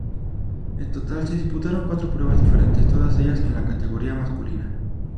En total se disputaron cuatro pruebas diferentes, todas ellas en la categoría masculina.